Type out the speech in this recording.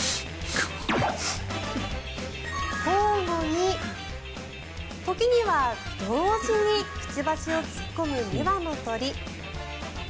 交互に、時には同時にくちばしを突っ込む２羽の鳥。